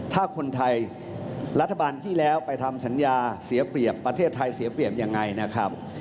ถ้าคนไทยรัฐบาลที่แล้วไปทำสัญญาเสียเปรียบประเทศไทยเสียเปรียบยังไงนะครับ